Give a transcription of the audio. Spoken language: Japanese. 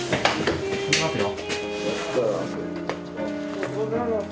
行きますよ。